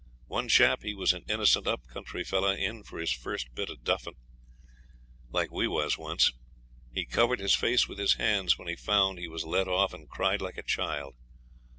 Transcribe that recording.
One chap, he was an innocent up country fellow, in for his first bit of duffing, like we was once, he covered his face with his hands when he found he was let off, and cried like a child.